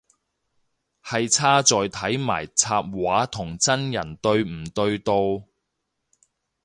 係差在睇埋插畫同真人對唔對到